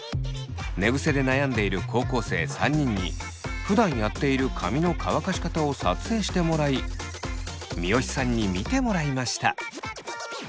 寝ぐせで悩んでいる高校生３人にふだんやっている髪の乾かし方を撮影してもらい三好さんに見てもらいました。